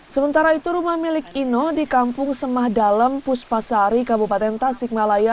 sementara itu rumah milik ino di kampung semah dalem puspasari kabupaten tasikmalaya